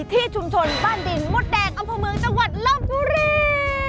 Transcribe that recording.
ที่ชุมชนบ้านดินมดแดงอัมพมือจังหวัดละภูรี